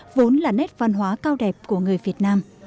vốn là nét văn hóa cao đẹp của người việt nam